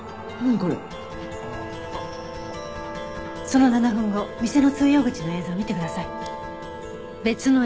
その７分後店の通用口の映像を見てください。